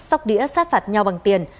sóc đĩa sát phạt nhau bằng tiền